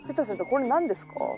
これ何ですか？